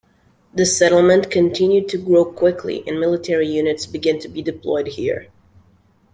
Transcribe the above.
The settlement continued to grow quickly and military units began to be deployed here.